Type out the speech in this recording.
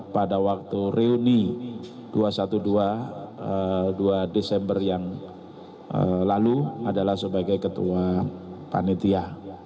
pada waktu reuni dua ratus dua belas dua desember yang lalu adalah sebagai ketua panitia